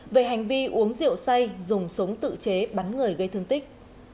về hành vi uống rượu say dùng súng tự chế bắn người gây thương tích